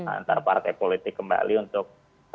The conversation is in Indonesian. antar partai politik kembali untuk